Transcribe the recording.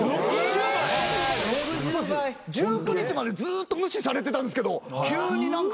１９日までずっと無視されてたんですけど急に何か。